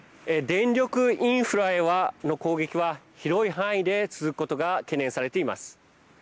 電力インフラへは攻撃は広い範囲で続くことが懸念されています。